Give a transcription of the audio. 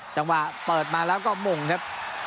จังหวะเปิดมาแล้วก็มงครับ